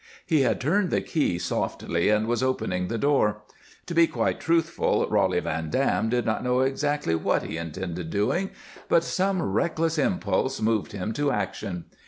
He had turned the key softly and was opening the door. To be quite truthful, Roly Van Dam did not know exactly what he intended doing, but some reckless impulse moved him to action.